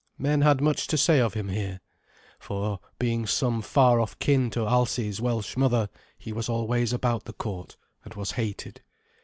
Men had much to say of him here, for, being some far off kin to Alsi's Welsh mother, he was always about the court, and was hated.